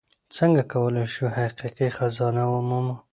څنګه کولی شو حقیقي خزانه ومومو؟